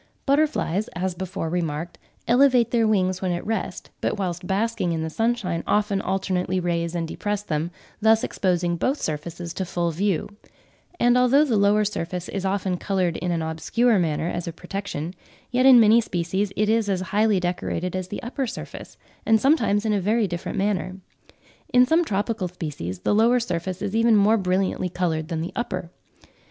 Butterflies, as before remarked, elevate their wings when at rest, but whilst basking in the sunshine often alternately raise and depress them, thus exposing both surfaces to full view; and although the lower surface is often coloured in an obscure manner as a protection, yet in many species it is as highly decorated as the upper surface, and sometimes in a very different manner. In some tropical species the lower surface is even more brilliantly coloured than the upper.